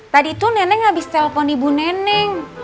tadi tuh neneng abis telpon ibu neneng